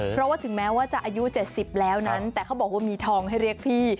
เพราะว่าถึงแม้ว่าจะอายุ๗๐แล้วนั้นแต่เขาบอกว่ามีทองให้เรียกพี่